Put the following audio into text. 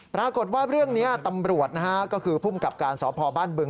ปรากฏว่าเรื่องนี้ตำรวจนะฮะก็คือภูมิกับการสพบ้านบึง